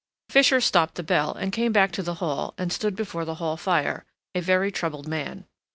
Fisher stopped the bell and came back to the hall and stood before the hall fire, a very troubled man.